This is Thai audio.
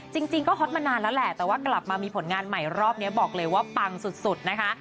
จริงก็ฮอตมานานแล้วแหละแต่ว่ากลับมามีผลงานใหม่รอบนี้บอกเลยว่าปังสุดนะคะ